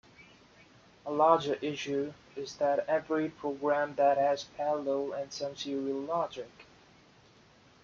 A larger issue is that every program has some parallel and some serial logic.